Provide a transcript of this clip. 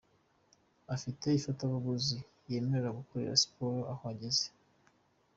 Ufite ifatabuguzi yemerewe gukorera siporo aho ageze.